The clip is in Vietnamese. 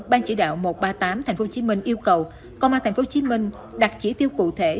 ban chỉ đạo một trăm ba mươi tám tp hcm yêu cầu công an tp hcm đặt chỉ tiêu cụ thể